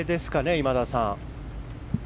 今田さん。